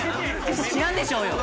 知らんでしょうよ！